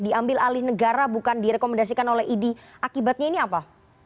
diambil alih negara bukan direkomendasikan oleh idi akibatnya ini apa